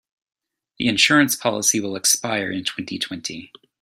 The insurance policy will expire in twenty-twenty.